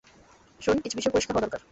শোন, কিছু বিষয়ে পরিষ্কার হওয়া দরকার।